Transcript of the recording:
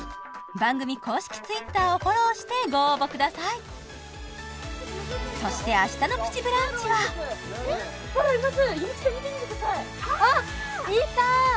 番組公式Ｔｗｉｔｔｅｒをフォローしてご応募くださいそして明日の「プチブランチ」はほらいます弓木さん見てみてくださいあっいた！